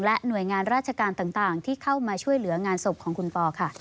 หน่วยงานราชการต่างที่เข้ามาช่วยเหลืองานศพของคุณปอค่ะ